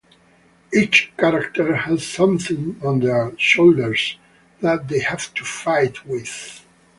Each character has something on their shoulders that they have to fight with.